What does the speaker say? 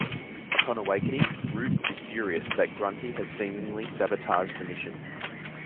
Upon awakening, Rootes is furious that Grunty has seemingly sabotaged the mission.